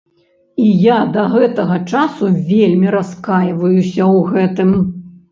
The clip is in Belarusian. І я да гэтага часу вельмі раскайваюся ў гэтым.